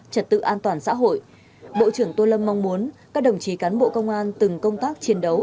trật tự an toàn xã hội bộ trưởng tô lâm mong muốn các đồng chí cán bộ công an từng công tác chiến đấu